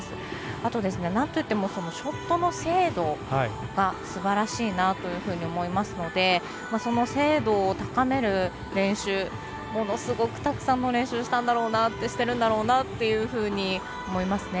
あと、なんといってもショットの精度がすばらしいなというふうに思いますのでその精度を高める練習ものすごくたくさんの練習をしているんだろうなと思いますね。